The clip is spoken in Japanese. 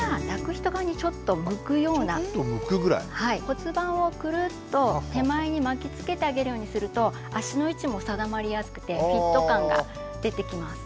骨盤をくるっと手前に巻きつけてあげるようにすると足の位置も定まりやすくてフィット感が出てきます。